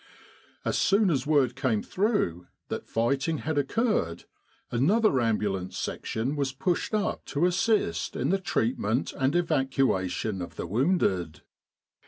As soon as word came through that fighting had occurred, another Ambulance Section was pushed up to assist in the treatment and evacuation of tfce wounded.